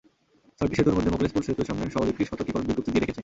ছয়টি সেতুর মধ্যে মোখলেছপুর সেতুর সামনে সওজ একটি সতর্কীকরণ বিজ্ঞপ্তি দিয়ে রেখেছে।